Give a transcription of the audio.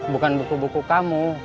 bukan buku buku kamu